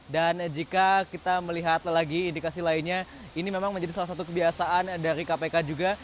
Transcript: dan jika kita melihat lagi indikasi lainnya ini memang menjadi salah satu kebiasaan dari kpk juga